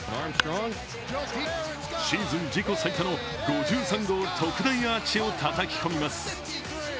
シーズン自己最多の５３号特大アーチをたたき込みます。